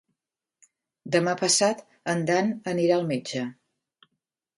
Demà passat en Dan anirà al metge.